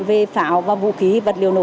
về pháo và vũ khí vật liều nổ